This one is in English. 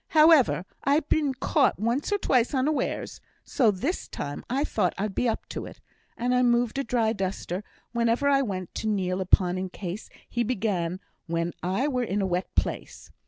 However, I'd been caught once or twice unawares, so this time I thought I'd be up to it, and I moved a dry duster wherever I went, to kneel upon in case he began when I were in a wet place.